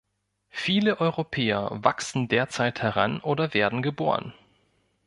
Viele Europäer wachsen derzeit heran oder werden geboren.